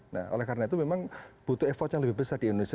nah oleh karena itu memang butuh effort yang lebih besar di indonesia